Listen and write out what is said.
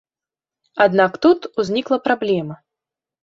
Аднак тут узнікла праблема.